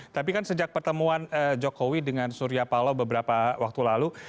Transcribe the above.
tapi kan sejak pertemuan jokowi dengan surya paloh beberapa waktu lalu